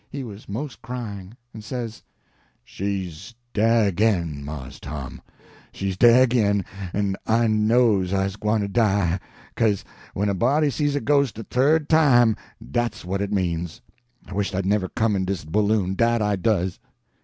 He was most crying, and says: "She's dah ag'in, Mars Tom, she's dah ag'in, en I knows I's gwine to die, 'case when a body sees a ghos' de third time, dat's what it means. I wisht I'd never come in dis balloon, dat I does."